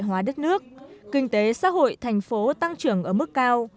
đại hóa đất nước kinh tế xã hội thành phố tăng trưởng ở mức cao